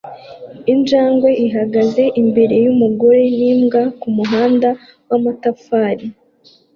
Injangwe ihagaze imbere yumugore nimbwa kumuhanda wamatafari